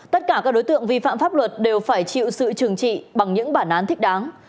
tất cả các đối tượng vi phạm pháp luật đều phải chịu sự trừng trị bằng những bản án thích đáng